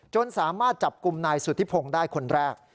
สามารถจับกลุ่มนายสุธิพงศ์ได้คนแรก